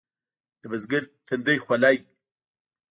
د بزګر تندی خوله وي.